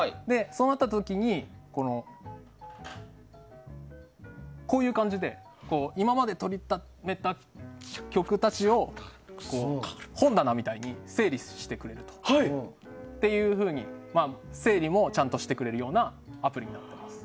そうなった時に、こういう感じで今まで撮りためた曲たちを本棚みたいに整理してくれるというふうに整理もちゃんとしてくれるようなアプリになっています。